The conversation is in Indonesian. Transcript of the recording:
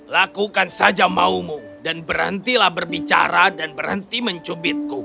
lakukan saja maumu dan berhentilah berbicara dan berhenti mencubitku